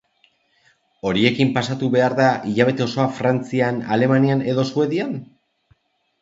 Horiekin pasatu behar da hilabete osoa Frantzian, Alemanian edo Suedian?